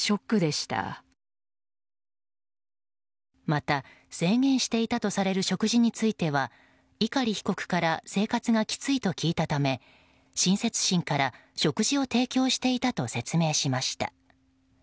また制限していたとされる食事に関しては碇被告から生活がきついと聞いたため親切心から、食事を提供していたと説明しました。